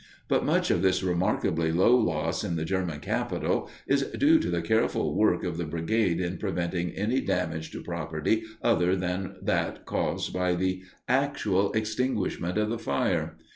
But much of this remarkably low loss in the German capital is due to the careful work of the brigade in preventing any damage to property other than that caused by the actual extinguishment of the fire.